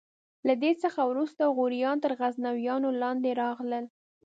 له دې څخه وروسته غوریان تر غزنویانو لاندې راغلل.